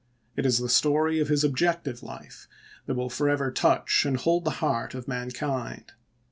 It is the story of his objective life that will forever touch and hold the heart of man kind.